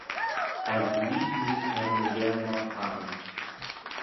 As leeid mee er my yurnaa thie.